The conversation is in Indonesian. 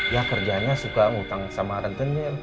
ya kerjanya suka ngutang sama rentenir